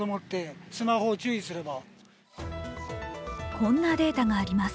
こんなデータがあります。